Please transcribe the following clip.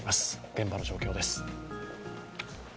現場の状況です。